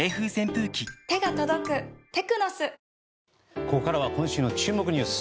ここからは今週の注目ニュース